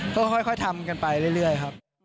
ก็ค่อยทำกันไปเรื่อยครับ